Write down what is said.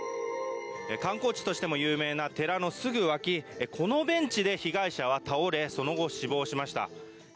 観光地としても有名な寺のすぐ脇このベンチで被害者は倒れその後、死亡しました。